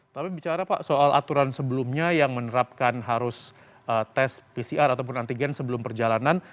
tapi bicara pak soal aturan sebelumnya yang menerapkan harus tes pcr ataupun antigen sebelum perjalanan